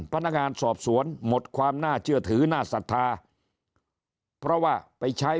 พนักงานสอบสวนหมดความน่าเชื่อถือน่าศรัทธาเพราะว่าไปใช้